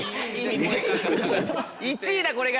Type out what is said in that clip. １位だこれが。